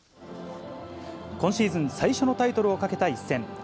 今シーズン最初のタイトルをかけた一戦。